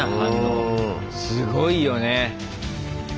すごいよね。